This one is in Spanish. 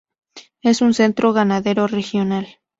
Es un centro ganadero regional.